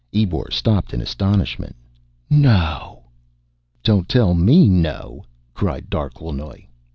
Ebor stopped in astonishment. "No!" "Don't tell me no!" cried Darquelnoy.